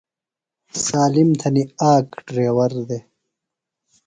سالِم تھنیۡ آک ڈریور دےۡ۔